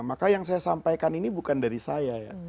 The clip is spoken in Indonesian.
maka yang saya sampaikan ini bukan dari saya ya